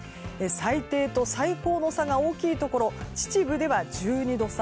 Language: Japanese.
最低と最高の差が大きいところ秩父では１２度差